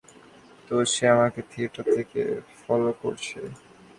তো সে আপনাকে থিয়েটার থেকে ফলো করছে।